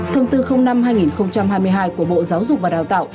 thông tư năm hai nghìn hai mươi hai của bộ giáo dục và đào tạo